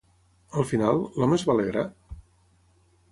Al final, l'home es va alegrar?